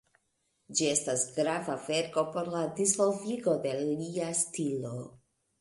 Ĝi estas grava verko por la disvolvigo de lia stilo.